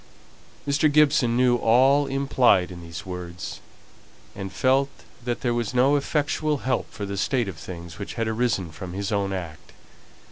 Mr. Gibson knew all implied in these words, and felt that there was no effectual help for the state of things which had arisen from his own act.